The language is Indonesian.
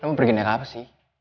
lo mau pergi naik apa sih